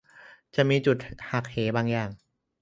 จะมีจุดหักเหบางอย่าง